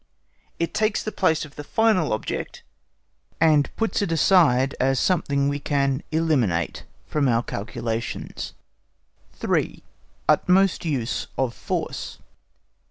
It takes the place of the final object, and puts it aside as something we can eliminate from our calculations. 3. UTMOST USE OF FORCE.